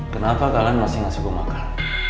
kenapa kalian masih ngasih gue makan